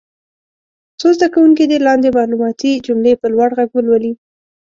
څو زده کوونکي دې لاندې معلوماتي جملې په لوړ غږ ولولي.